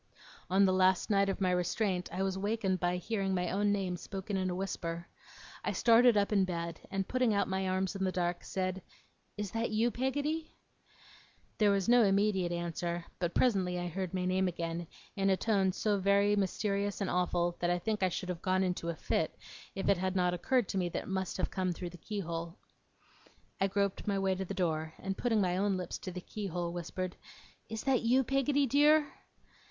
On the last night of my restraint, I was awakened by hearing my own name spoken in a whisper. I started up in bed, and putting out my arms in the dark, said: 'Is that you, Peggotty?' There was no immediate answer, but presently I heard my name again, in a tone so very mysterious and awful, that I think I should have gone into a fit, if it had not occurred to me that it must have come through the keyhole. I groped my way to the door, and putting my own lips to the keyhole, whispered: 'Is that you, Peggotty dear?